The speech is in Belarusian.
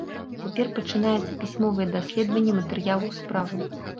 Цяпер пачынаецца пісьмовае даследаванне матэрыялаў справы.